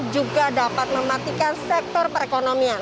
juga dapat mematikan sektor perekonomian